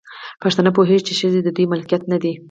پښتانه پوهيږي، چې ښځې د دوی ملکيت نه دی